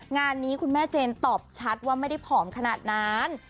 งานนี้คุณแม่เจนตอบชัดว่าไม่ได้ผอมขนาดนั้น